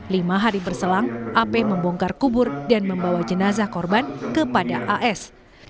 lima hari berselang ap membongkar kubur dan membawa jenazah korban kepada as